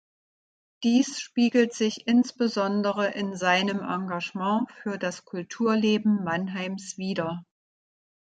Dies spiegelt sich insbesondere in seinem Engagement für das Kulturleben Mannheims wider.